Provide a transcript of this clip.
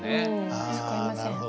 あなるほど。